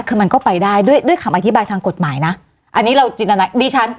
คือมันก็ไปได้ด้วยด้วยคำอธิบายทางกฎหมายนะอันนี้เราจินตนาดิฉัน